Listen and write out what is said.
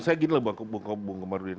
saya gini lah bu